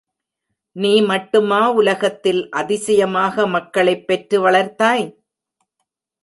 நீ மட்டுமா உலகத்தில் அதிசயமாக மக்களைப் பெற்று வளர்த்தாய்?